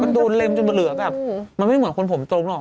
มันโดนเล็มจนเหลือแบบมันไม่เหมือนคนผมตรงหรอก